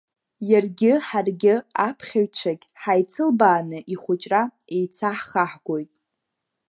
Иаргьы ҳаргьы аԥхьаҩцәагь ҳаицылбааны ихәыҷра еицаҳхаҳгоит.